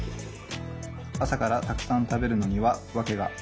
朝からたくさん食べるのには訳が。